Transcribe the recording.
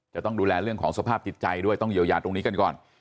จะต้องดูแลเรื่องของสภาพจิตใจด้วยต้องเยียวยาตรงนี้กันก่อน